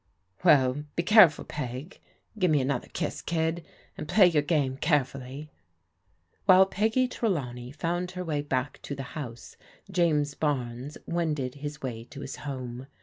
"Well, be careful. Peg. Give me another Idss, Idd, and play your game carefully." While Peggy Trelawney found her way back to the house, James Barnes wended his way to his home.